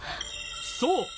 そう！